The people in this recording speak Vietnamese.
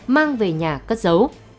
mang về nhà cất giấu